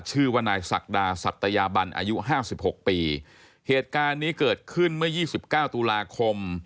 ชื่อว่านายศักดาศัตยาบันอายุ๕๖ปีเหตุการณ์นี้เกิดขึ้นเมื่อ๒๙ตุลาคม